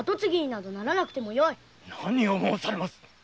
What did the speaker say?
何を申されます。